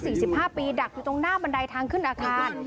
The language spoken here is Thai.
ประมาณสัก๔๕ปีดักอยู่ตรงหน้าบันไดทางขึ้นอาคาร